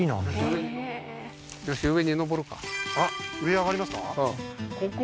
へえーあっ上上がりますか？